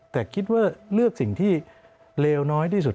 แต่คิดว่าเลือกสิ่งที่เลวน้อยที่สุด